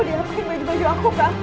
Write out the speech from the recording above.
kau lihat mungkin baju baju aku kan